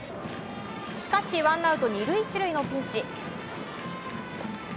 しかしワンアウト２塁１塁のピンチ。